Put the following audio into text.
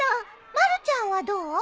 まるちゃんはどう？